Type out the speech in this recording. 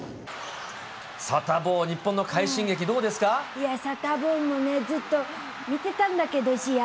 サタボー、日本の快進撃、いや、サタボーもね、ずっと見てたんだけど、試合。